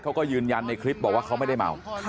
เขาก็ยืนยันในคลิปบอกว่าเขาไม่ได้เมา